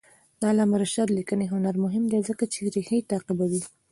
د علامه رشاد لیکنی هنر مهم دی ځکه چې ریښې تعقیبوي.